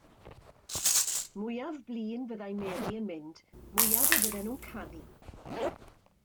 Mwyaf blin fyddai Mary yn mynd, mwyaf y bydden nhw'n canu.